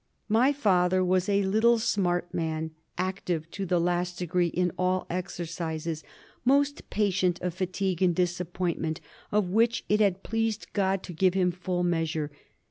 '^ My father was a little, smart man, ac tive to the last degree in all exercises, most patient of fa tigue and disappointment, of which it had pleased God to give him full measure.